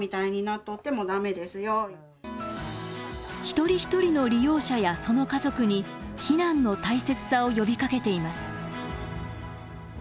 一人一人の利用者やその家族に避難の大切さを呼びかけています。